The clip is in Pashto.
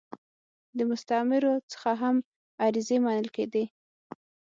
له مستعمرو څخه هم عریضې منل کېدې.